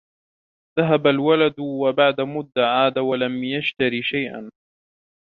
ذهب الولد وبعد مدة عاد ولم يشترى شيئاً